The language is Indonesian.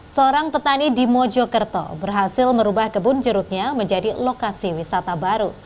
seorang petani di mojokerto berhasil merubah kebun jeruknya menjadi lokasi wisata baru